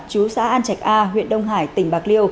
chú xã an trạch a huyện đông hải tp hcm